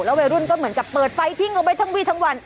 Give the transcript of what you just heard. แล้วไวรุ่นก็เหมือนกับเปิดไฟทิ้งออกไปทั้งวีดทำวัน